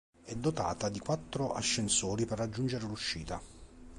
È dotata di quattro ascensori per raggiungere l'uscita.